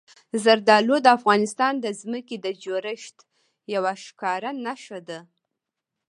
زردالو د افغانستان د ځمکې د جوړښت یوه ښکاره نښه ده.